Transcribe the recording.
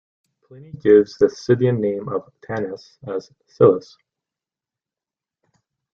Pliny gives the Scythian name of the Tanais as "Silys".